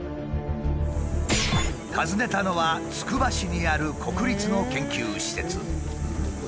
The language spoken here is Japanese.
訪ねたのはつくば市にある国立の研究施設。